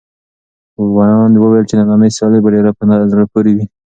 ویاند وویل چې نننۍ سیالي به ډېره په زړه پورې وي.